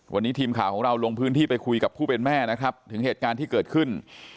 วันนี้ทีมข่าวของเราลงพื้นที่ไปคุยกับผู้เป็นแม่นะครับถึงเหตุการณ์ที่เกิดขึ้น